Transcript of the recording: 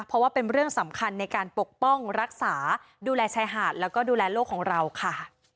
เพราะว่าเป็นเรื่องสำคัญในการปกป้องรักษาดูแลชายหาดแล้วก็ดูแลโลกของเราค่ะ